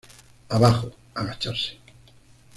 Abajo: Agacharse.